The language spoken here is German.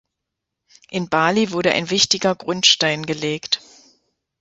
In Bali wurde ein wichtiger Grundstein gelegt.